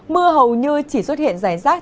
mưa hầu như chỉ xuất hiện rải rác